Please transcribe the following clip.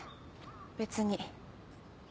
別に。